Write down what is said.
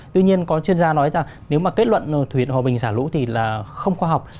tuy nhiên có chuyên gia nói là nếu mà kết luận thủy điện hòa bình xả lũ thì là không khoa học